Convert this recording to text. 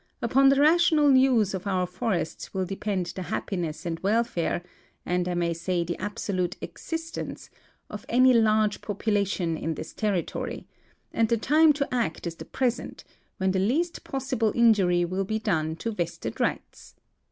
Upon the rational use of our forests will depend the happiness and welfare, and I may say the ab solute existence, of any large population in this territory ; and the time to act is the present, when the least possible injury will be done to vested rights.